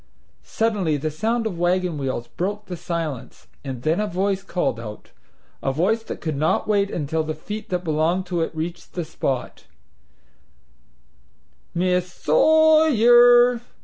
Suddenly the sound of wagon wheels broke the silence and then a voice called out a voice that could not wait until the feet that belonged to it reached the spot: "Miss Saw YER!